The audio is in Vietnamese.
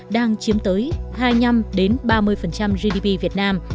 đang chiếm tới hai mươi năm ba mươi gdp việt nam